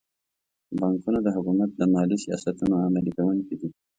بانکونه د حکومت د مالي سیاستونو عملي کوونکي دي.